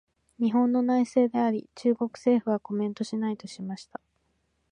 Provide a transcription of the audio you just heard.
「日本の内政であり、中国政府はコメントしない」としました。